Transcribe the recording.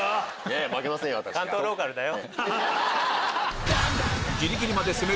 ええ負けませんよ。